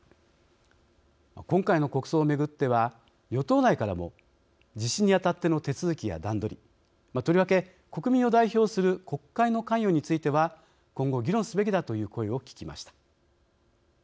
今回の国葬を巡っては与党内からも実施に当たっての手続きや段取りとりわけ国民を代表する国会の関与については今後、議論すべきだという声を聞きました。